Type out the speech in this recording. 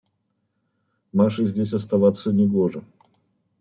– Маше здесь оставаться не гоже.